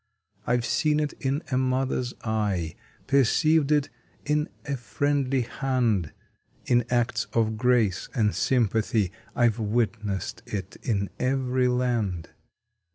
I ve seen it in a Mother s eye; Perceived it in a friendly hand; In acts of grace and sympathy I ve witnessed it in every land.